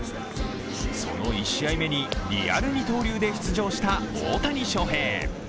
その１試合目にリアル二刀流で出場した大谷翔平。